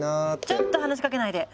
ちょっと話しかけないで。